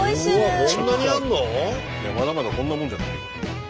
まだまだこんなもんじゃないよ。